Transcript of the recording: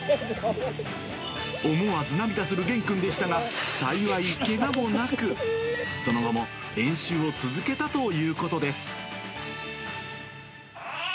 思わず涙する元くんでしたが、幸いけがもなく、その後も練習を続けたということです。